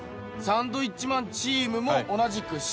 サンドウィッチマンチームも同じくＣ。